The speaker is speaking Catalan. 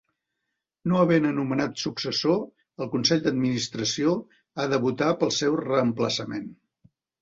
No havent nomenat successor, el consell d'administració ha de votar pel seu reemplaçament.